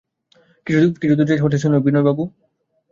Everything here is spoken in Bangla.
কিছু দূরে যাইতেই হঠাৎ শুনিল, বিনয়বাবু!